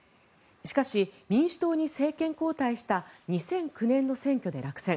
しかし、民主党に政権交代した２００９年の選挙で落選。